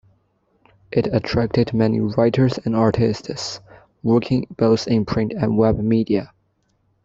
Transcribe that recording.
It attracted many writers and artists, working both in print and web media.